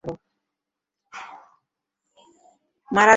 মারান, কিডন্যাপারের উদ্দেশ্য যদি টাকা হয়, তাহলে আমরা ওকে সহজেই ধরতে পারব।